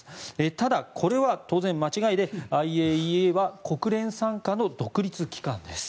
ただ、これは当然間違いでＩＡＥＡは国連傘下の独立機関です。